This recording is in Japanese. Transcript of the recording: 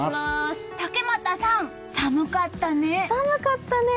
竹俣さん、寒かったね。